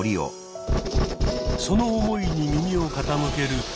その思いに耳を傾ける。